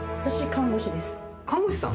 看護師さん？